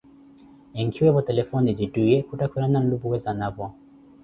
Enkiweevo telefone ti twiiye, khuttakhukana nlupuwe zanapo.